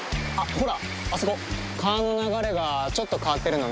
ほらあそこ。